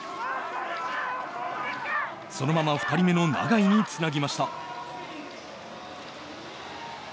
そのまま２人目の永井につなぎました。